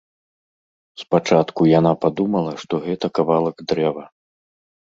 Спачатку яна падумала, што гэта кавалак дрэва.